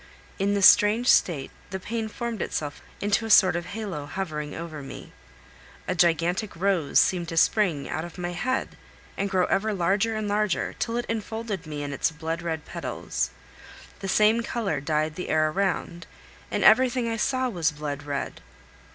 In this strange state the pain formed itself into a sort of halo hovering over me. A gigantic rose seemed to spring out of my head and grow ever larger and larger, till it enfolded me in its blood red petals. The same color dyed the air around, and everything I saw was blood red.